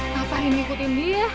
kapan ini ikutin dia